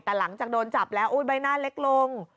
แต่หลังจากโดนจับแล้วใบหน้าเล็กลง